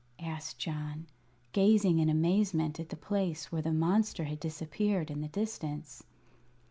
asked John, gazing in amazement at the place where the monster had disappeared in the distance.